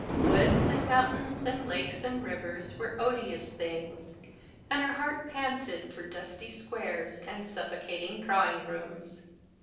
Woods and mountains and lakes and rivers were odious things; and her heart panted for dusty squares and suffocating drawing rooms.